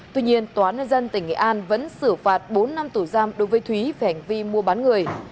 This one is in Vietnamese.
tuy nhiên tòa nơi dân tỉnh nghệ an vẫn xử phạt bốn năm tù giam đối với thúy phải hành vi mua bán người